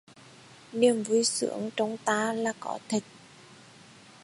Niềm vui sướng trong ta là có thật